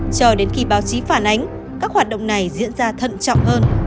chờ đến khi báo chí phản ánh các hoạt động này diễn ra thận trọng hơn